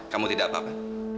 kamu tidak apa apa